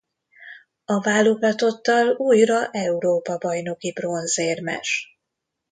A válogatottal újra Európa-bajnoki bronzérmes.